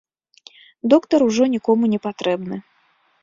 Доктар ужо нікому не патрэбны.